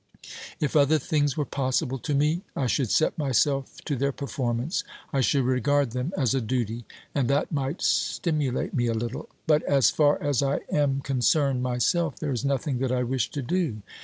If other things were possible to me, I should set myself to their performance, I should regard them as a duty, and that might stimulate me a little ; but, as far as I am con cerned myself, there is nothing that I wish to do.